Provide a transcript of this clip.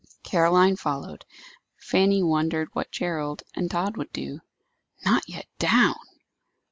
Caroline followed. Fanny wondered what Gerald and Tod would do. Not yet down!